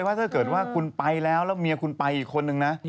ว่าถ้าเกิดว่าคุณไปแล้วแล้วเมียคุณไปอีกคนนึงนะ